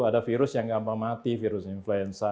ada virus yang gampang mati virus influenza